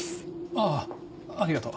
あぁありがとう。